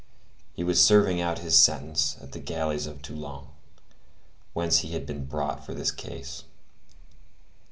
He was serving out his sentence at the galleys of Toulon, whence he had been brought for this case.